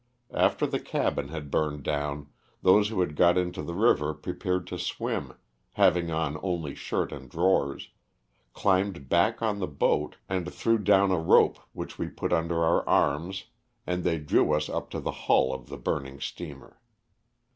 After the cabin had burned down, those who had got into the river pre pared to swim, having on only shirt and drawers, climbed back on the boat and threw down a rope which we put under our arms and they drew us up to the hull of the burning steamer.